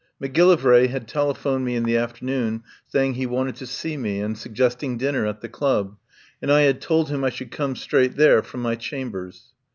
Macgillivray had telephoned to me in the afternoon saying he wanted to see me, and suggesting dinner at the Club, and I had told him I should come straight there from my Chambers.